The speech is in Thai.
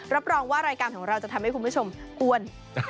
รับรองว่ารายการของเราจะทำให้คุณผู้ชมกวน